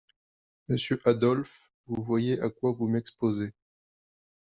Monsieur Adolphe, vous voyez à quoi vous m’exposez…